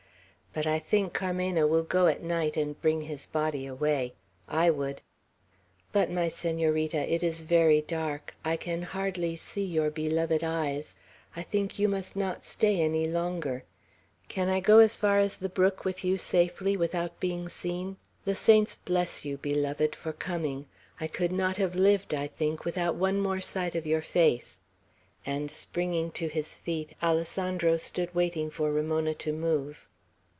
But I think Carmena will go at night and bring his body away. I would! But, my Senorita, it is very dark, I can hardly see your beloved eyes. I think you must not stay longer. Can I go as far as the brook with you, safely, without being seen? The saints bless you, beloved, for coming. I could not have lived, I think, without one more sight of your face;" and, springing to his feet, Alessandro stood waiting for Ramona to move.